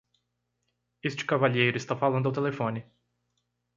Este cavalheiro está falando ao telefone